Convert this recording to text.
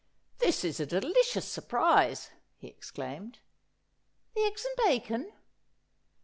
' This is a delicious surprise,' he exclaimed. ' The eggs and bacon